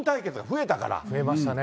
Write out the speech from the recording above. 増えましたね。